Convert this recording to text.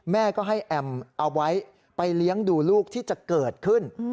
แม่ก็ให้แอมเอาไว้ไปเลี้ยงดูลูกที่จะเกิดขึ้น